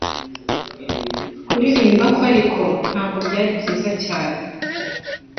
kuririmba kwe ariko, ntabwo byari byiza cyane